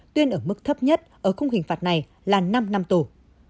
tuyên ở mức thấp nhất ở khung hình phạt này là năm năm tù